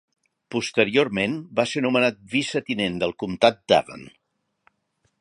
Posteriorment va ser nomenat vicetinent del comtat d'Avon.